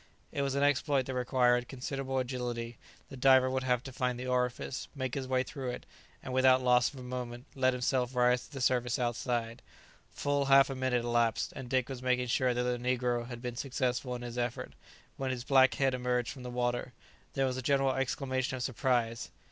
It was an exploit that required considerable agility; the diver would have to find the orifice, make his way through it, and, without loss of a moment, let himself rise to the surface outside. Full half a minute elapsed, and Dick was making sure that the negro had been successful in his effort, when his black head emerged from the water. There was a general exclamation of surprise.